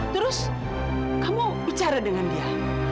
terus kamu bicara dengan dia